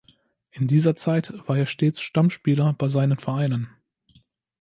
In dieser Zeit war er stets Stammspieler bei seinen Vereinen.